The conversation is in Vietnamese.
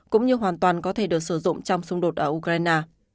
cũng như hoàn toàn có thể được sử dụng trong xung đột ở ukraine